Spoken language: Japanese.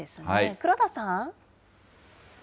黒田さん。